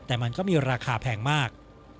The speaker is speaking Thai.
แต่มันก็มีราคาแพงมาก